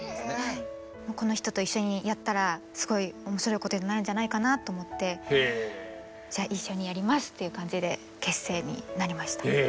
この人と一緒にやったらすごい面白いことになるんじゃないかなと思ってじゃあ一緒にやりますっていう感じで結成になりました。